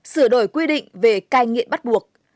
sửa đổi quy định về cai nghiện bắt buộc